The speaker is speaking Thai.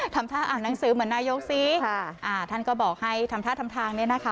ทำท่าอ่านหนังสือเหมือนนายกสิค่ะอ่าท่านก็บอกให้ทำท่าทำทางเนี่ยนะคะ